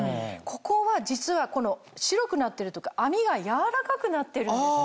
ここは実は白くなってるとこ編みがやわらかくなってるんです。